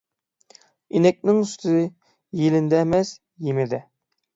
ئىنەكنىڭ سۈتى يېلىنىدە ئەمەس، يېمىدە.